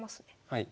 はい。